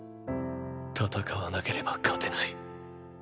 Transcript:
戦わなければ勝てない。